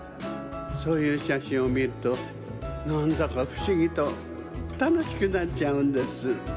そういうしゃしんをみるとなんだかふしぎとたのしくなっちゃうんです。